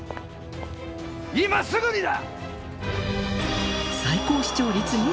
今すぐにだ！